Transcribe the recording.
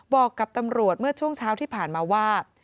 บอกกับตำรวจเมื่อช่วงเช้าที่ผ่านมาว่า